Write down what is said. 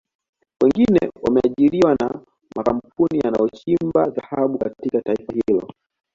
Wengine wameajiriwa na makampuni yanayochimba dhahabu katika taifa hilo